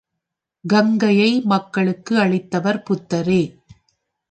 கங்கையை மக்களுக்கு அளித்தவர் புத்தரே.